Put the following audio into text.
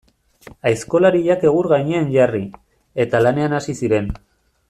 Aizkolariak egur gainean jarri, eta lanean hasi ziren.